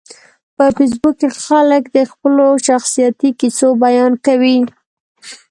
په فېسبوک کې خلک د خپلو شخصیتي کیسو بیان کوي